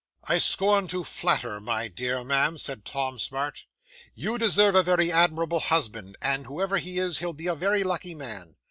'"I scorn to flatter, my dear ma'am," said Tom Smart. "You deserve a very admirable husband, and whoever he is, he'll be a very lucky man."